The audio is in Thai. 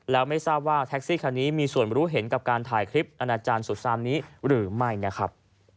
แล้วไม่ทราบว่าแท็กซี่คันนี้มีส่วนรู้เห็นกับการถ่ายคลิปอนาจารย์สุดซามนี้หรือไม่นะครับ